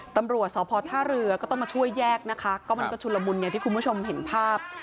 ตำรวจสพท่าเรือก็ต้องมาช่วยแยกนะคะก็มันก็ชุลมุนอย่างที่คุณผู้ชมเห็นภาพ